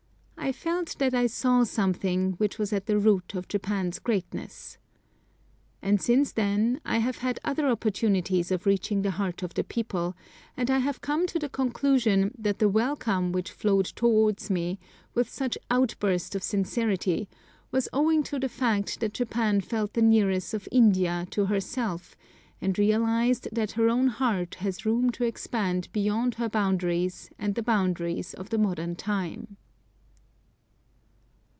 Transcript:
I felt that I saw something which was at the root of Japan's greatness. And, since then, I have had other opportunities of reaching the heart of the people; and I have come to the conclusion, that the welcome which flowed towards me, with such outburst of sincerity, was owing to the fact that Japan felt the nearness of India to herself, and realised that her own heart has room to expand beyond her boundaries and the boundaries of the modern time.